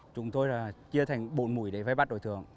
chúng tôi chia thành bộ mũi để phải bắt đối tượng